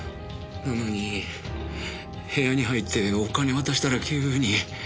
なのに部屋に入ってお金渡したら急に。